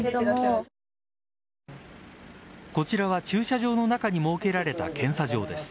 こちらは駐車場の中に設けられた検査場です。